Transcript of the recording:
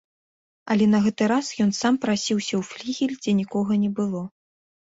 Але на гэты раз ён сам прасіўся ў флігель, дзе нікога не было.